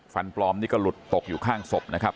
ฟันปลอมนี่ก็หลุดตกอยู่ข้างศพนะครับ